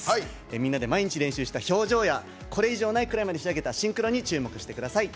みんなで毎日練習した表情やこれ以上ないくらいまで仕上げたシンクロに注目してください。